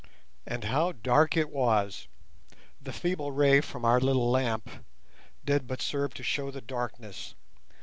And how dark it was! The feeble ray from our little lamp did but serve to show the darkness.